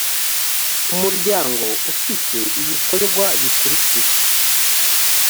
umuryango ufite ibikorwa bikurikira